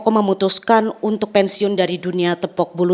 aku memutuskan untuk pensiun dari dunia tepuk bulu